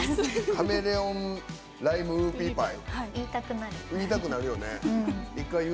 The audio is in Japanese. カメレオン・ライム・ウーピーパイ。